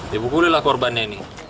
dia mukulilah korbannya ini